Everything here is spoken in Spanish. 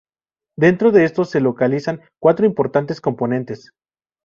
Dentro de estos se localizan cuatro importantes componentes.